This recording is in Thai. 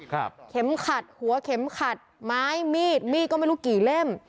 เข็มขัดหัวเข็มขัดไม้มีดมีดก็ไม่รู้กี่เล่ม